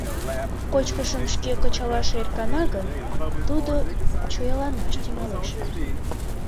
Кочкышым шке кычалаш ӧркана гын, тудо чояланаш тӱҥалеш.